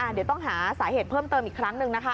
เดี๋ยวต้องหาสาเหตุเพิ่มเติมอีกครั้งหนึ่งนะคะ